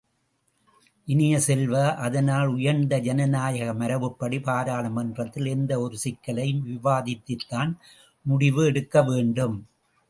இனிய செல்வ, அதனால் உயர்ந்த ஜனநாயக மரபுப்படி பாராளுமன்றத்தில் எந்த ஒரு சிக்கலையும் விவாதித்துத்தான் முடிவு எடுக்கவேண்டும்.